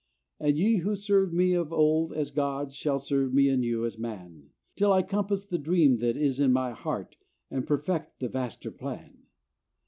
"And ye who served me of old as God Shall serve me anew as man, Till I compass the dream that is in my heart And perfect the vaster plan."